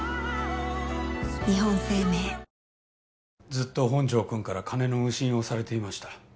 ずっと本条君から金の無心をされていました